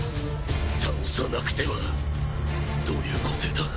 倒さなくてはどういう個性だ！？